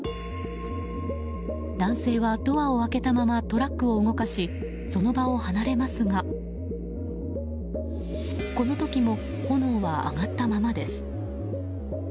男性はドアを開けたままトラックを動かしその場を離れますがこの時も炎は上がったままです。